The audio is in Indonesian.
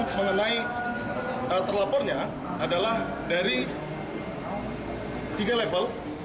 dan mengenai terlapornya adalah dari tiga level